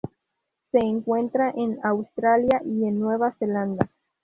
Se encuentra en Australia y en Nueva Zelanda.